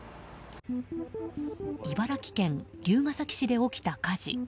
茨城県龍ケ崎市で起きた火事。